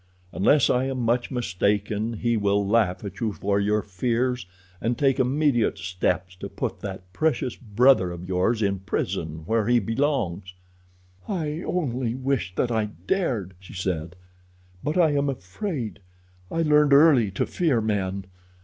Unless I am much mistaken he will laugh at you for your fears, and take immediate steps to put that precious brother of yours in prison where he belongs." "I only wish that I dared," she said; "but I am afraid. I learned early to fear men.